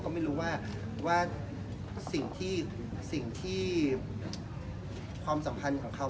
แบบกว่าทางคุณคุงเขาต้องการ